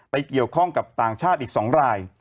เกี่ยวข้องกับต่างชาติอีก๒ราย